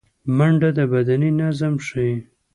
منډه د بدني نظم ښيي